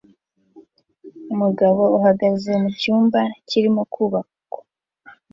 Umugabo uhagaze mucyumba kirimo kubakwa